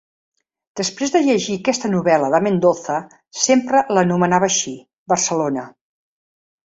Després de llegir aquella novel·la de Mendoza, sempre l'anomenava així, Barcelona.